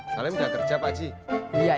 salahnya gak kerja pakcik